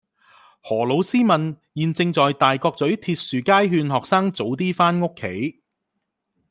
何老師問現正在大角咀鐵樹街勸學生早啲返屋企